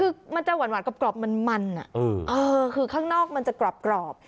คือมันจะหวานกรอบมันคือข้างนอกมันจะกรอบ